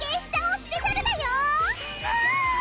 スペシャルだよ！